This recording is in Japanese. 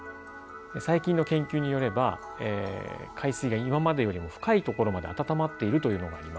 最近の研究によれば海水が今までよりも深いところまで暖まっているというのがあります。